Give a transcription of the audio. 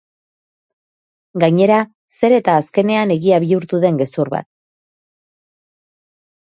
Gainera, zer eta azkenean egia bihurtu den gezur bat.